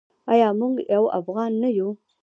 آیا موږ یو افغان نه یو؟